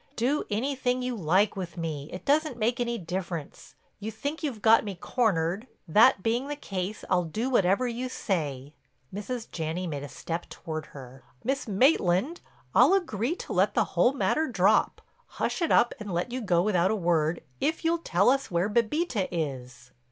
"Do anything you like with me; it doesn't make any difference. You think you've got me cornered; that being the case, I'll do whatever you say." Mrs. Janney made a step toward her: "Miss Maitland, I'll agree to let the whole matter drop—hush it up and let you go without a word—if you'll tell us where Bébita is."